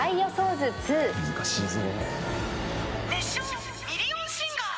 難しいぞ。